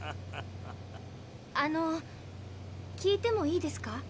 あの聞いてもいいですか？